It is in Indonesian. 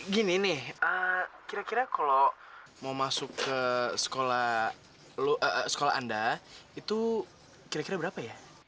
gini nih kira kira kalau mau masuk ke sekolah anda itu kira kira berapa ya